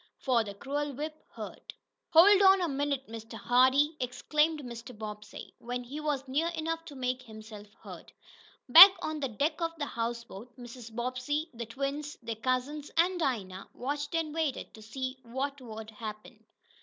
For the cruel whip hurt. "Hold on a minute, Mr. Hardee!" exclaimed Mr. Bobbsey, when he was near enough to make himself heard. Back on the deck of the houseboat Mrs. Bobbsey, the twins, their cousins and Dinah watched and waited to see what would happen.